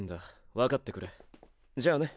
わかってくれじゃあね。